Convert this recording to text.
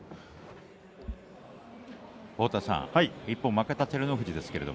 負けた照ノ富士です。